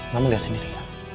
mama liat sendiri ya